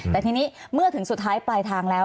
แต่ทีนี้เมื่อถึงสุดท้ายปลายทางแล้ว